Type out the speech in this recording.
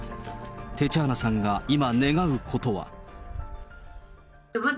テチャーナさんが今、願うことは。